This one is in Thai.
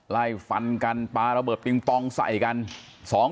ไล่ฟันกันปลาระเบิดปิงปองใส่กัน